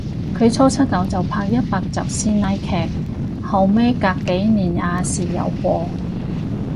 佢初出道就拍一百集師奶劇，後尾隔幾年亞視有播